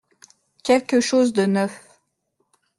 Quelque chose de neuf.